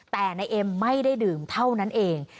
แต่นายเอ็มไม่ได้ดื่มเท่านั้นเอง